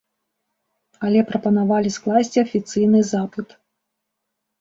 Але прапанавалі скласці афіцыйны запыт.